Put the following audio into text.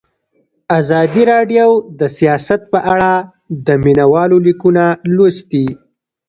ازادي راډیو د سیاست په اړه د مینه والو لیکونه لوستي.